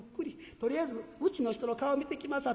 とりあえずうちの人の顔見てきますわ」。